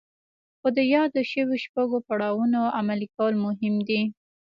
خو د يادو شويو شپږو پړاوونو عملي کول مهم دي.